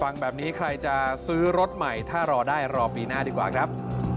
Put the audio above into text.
ฟังแบบนี้ใครจะซื้อรถใหม่ถ้ารอได้รอปีหน้าดีกว่าครับ